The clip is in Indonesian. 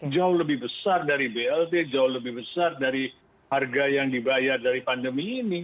jauh lebih besar dari blt jauh lebih besar dari harga yang dibayar dari pandemi ini